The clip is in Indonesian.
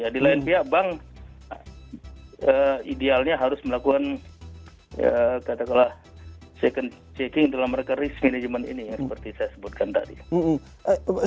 di lain pihak bank idealnya harus melakukan second checking dalam risk management ini